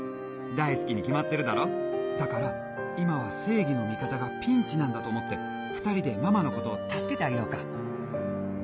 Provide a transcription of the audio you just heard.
大好きに決まってるだろだから今は正義の味方がピンチなんだと思って２人でママのこと助けてあげようか。